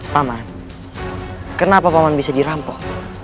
paman kenapa paman bisa dirampok